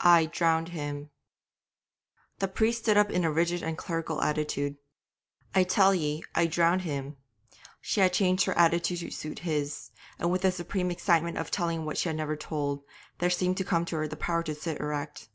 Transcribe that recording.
'I drowned him.' The priest stood up in a rigid and clerical attitude. 'I tell ye I drowned him.' She had changed her attitude to suit his; and with the supreme excitement of telling what she had never told, there seemed to come to her the power to sit erect.